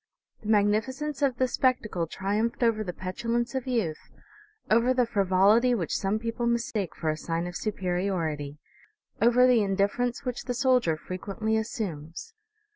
The magnificence of the spectacle triumphed over the petulance of youth, over the frivolity which some people mistake for a sign of superiority, over the indifference which the soldier frequently assumes.